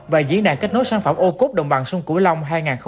và diễn đàn kết nối sản phẩm ô cốt đồng bằng sông cửu long hai nghìn hai mươi bốn